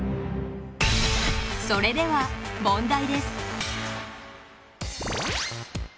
それでは問題です。